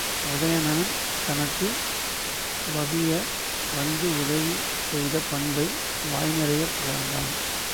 உதயணன் தனக்கு வவிய வந்து உதவி செய்த பண்பை வாய் நிறையப் புகழ்ந்தான்.